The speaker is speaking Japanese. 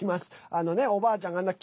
あのね、おばあちゃんがあんな